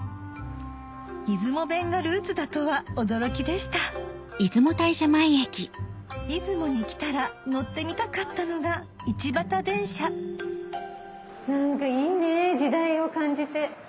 出雲弁がルーツだとは驚きでした出雲に来たら乗ってみたかったのが何かいいね時代を感じて。